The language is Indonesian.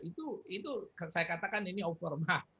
itu saya katakan ini obroma